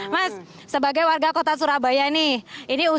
mas sebagai warga kota surabaya apa yang kalian lakukan